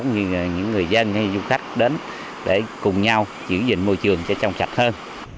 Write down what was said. cũng như là những người dân hay du khách đến để cùng nhau giữ gìn môi trường cho trong sạch hơn